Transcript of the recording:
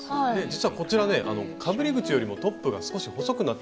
実はこちらねかぶり口よりもトップが少し細くなっているんです。